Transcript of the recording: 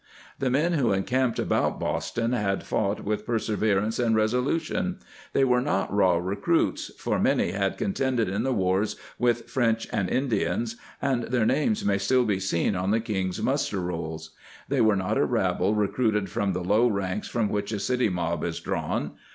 ^/ The men who encamped about Boston had fought with perseverance and resolution ;^ they were not _raw recru its, for many had contended in the wars with French and Indians, and their names may still be seen on the King's muster rolls.^ (^hey were not a rabble recruited from the low ranks from which a city mob is^ drawn.